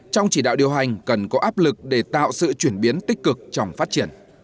trong chỉ đạo điều hành cần có áp lực để tạo sự chuyển biến tích cực trong phát triển